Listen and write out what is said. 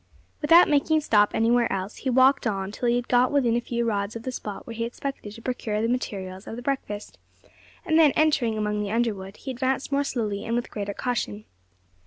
Without making stop anywhere else, he walked on till he had got within a few rods of the spot where he expected to procure the materials of the breakfast; and then, entering among the underwood, he advanced more slowly and with greater caution.